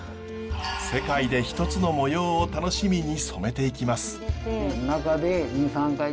世界で一つの模様を楽しみに染めていきます。